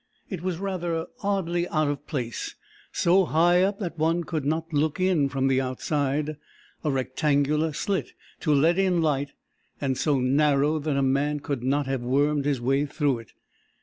It was rather oddly out of place, so high up that one could not look in from the outside a rectangular slit to let in light, and so narrow that a man could not have wormed his way through it.